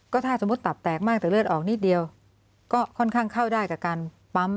ถ้าสมมุติตับแตกมากแต่เลือดออกนิดเดียวก็ค่อนข้างเข้าได้กับการปั๊ม